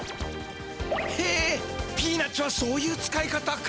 へえピーナツはそういう使い方か！